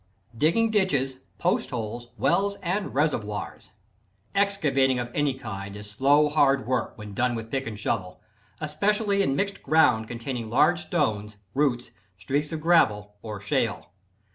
Digging Ditches, Post Holes, Wells and Reservoirs. Excavating of any kind is slow, hard work when done with pick and shovel, especially in mixed ground containing large stones, roots, streaks of gravel or shale.